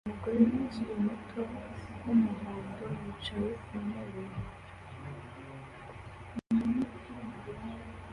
Umugore ukiri muto wumuhondo yicaye ku ntebe